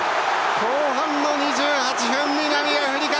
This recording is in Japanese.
後半２８分、南アフリカ